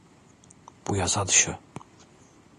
Bu yasa dışı.